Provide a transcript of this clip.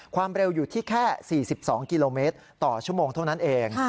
ความเร็วอยู่ที่แค่๔๒กิโลเมตรต่อชั่วโมงเท่านั้นเอง